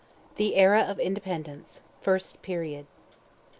THE ERA OF INDEPENDENCE—FIRST PERIOD.